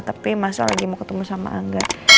tapi mas al lagi mau ketemu sama angga